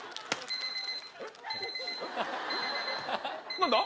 何だ？